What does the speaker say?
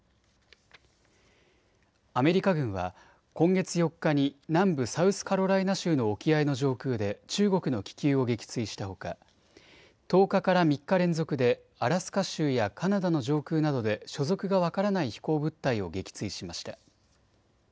アメリカ軍は今月４日に南部サウスカロライナ州の沖合の上空で中国の気球を撃墜したほか１０日から３日連続でアラスカ州やカナダの上空などで所属が分からない飛行物体を撃墜しました。